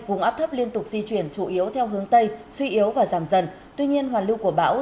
vùng áp thấp liên tục di chuyển chủ yếu theo hướng tây suy yếu và giảm dần tuy nhiên hoàn lưu của bão